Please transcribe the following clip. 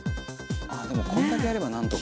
「でもこれだけやればなんとか」